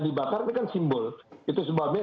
dibakar ini kan simbol itu sebabnya